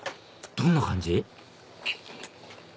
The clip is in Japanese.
どんな感じ？